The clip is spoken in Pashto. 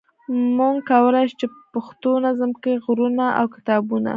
موږ کولای شو چې په پښتو نظم کې غرونه او کتابونه.